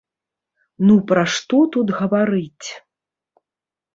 Ну пра што тут гаварыць.